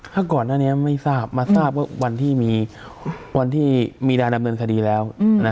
ถ้าก่อนหน้านี้ไม่ทราบมาทราบว่าวันที่มีนาดำเนินคดีแล้ว